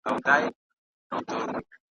پر چمن باندي له دریو خواوو .